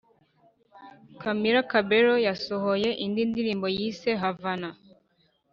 camilla cabello yasohoye indi ndirimbo yise havana